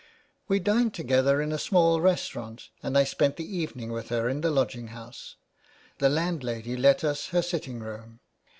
We dined together in a small restaurant and I spent the evening with her in the lodginghouse ; the landlady let us her sittingroom.